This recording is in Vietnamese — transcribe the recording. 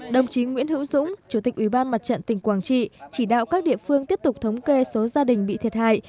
đồng chí nguyễn hữu dũng chủ tịch ủy ban mặt trận tỉnh quảng trị chỉ đạo các địa phương tiếp tục thống kê số gia đình bị thiệt hại